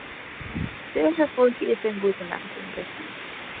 Dêr wol ik earst even goed oer neitinke.